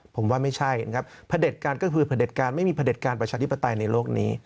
ผมว่าไม่ใช่นะครับพระเด็จการก็คือพระเด็จการไม่มีประเด็จการประชาธิปไตยในโลกนี้